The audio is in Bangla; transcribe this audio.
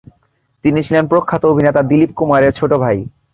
তিনি ছিলেন প্রখ্যাত অভিনেতা দিলীপ কুমারের ছোট ভাই।